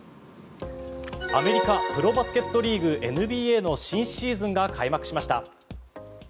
アメリカプロバスケットボールリーグＮＢＡの新シーズンが開幕しました。